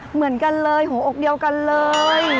เหมือนกันเลยหัวอกเดียวกันเลย